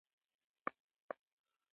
د محصل ژوند د ټولنې سره تړاو لري.